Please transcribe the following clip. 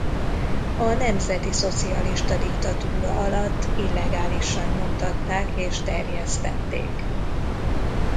A nemzetiszocialista diktatúra alatt illegálisan nyomtatták és terjesztették.